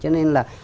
cho nên là